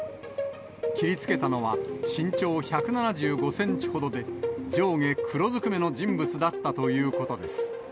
切りつけたのは、身長１７５センチほどで、上下黒ずくめの人物だったということです。